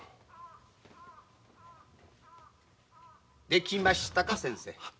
出来ましたか先生。